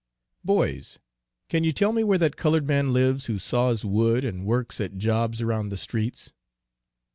"Boys, can you tell me where that old colored man lives who saws wood, and works at jobs around the streets?"